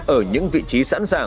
ở những vị trí sẵn sàng